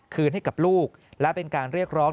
คืนให้กับลูกและเป็นการเรียกร้อง